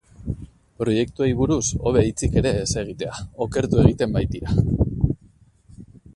Proiektuei buruz, hobe hitzik ere ez egitea, okertu egiten baitira.